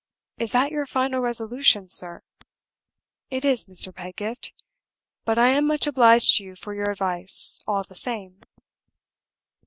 "Is that your final resolution, sir?" "It is, Mr. Pedgift; but I am much obliged to you for your advice, all the same."